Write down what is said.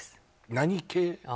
何系？